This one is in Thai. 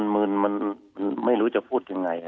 มืนมันไม่รู้จะพูดยังไง